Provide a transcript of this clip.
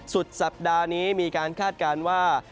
สุดสัปดาห์นี้มีการคาดการณ์ว่า